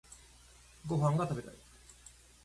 ご飯が食べたい